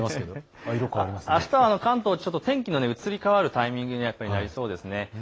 あしたは関東、ちょっと天気の移り変わるタイミングがありそうですね。